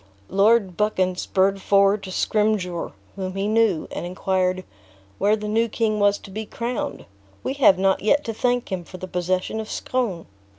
Lord Buchan spurred forward to Scrymgeour, whom he knew, and inquired, "where the new king was to be crowned? We have not yet to thank him for the possession of Scone!"